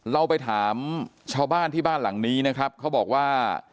เราไปถามชาวบ้านที่บ้านหลังนี้นะครับเขาบอกว่า